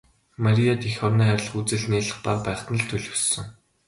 Марияд эх орноо хайрлах үзэл нялх бага байхад нь л төлөвшсөн.